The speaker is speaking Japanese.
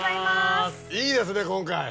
いいですね今回！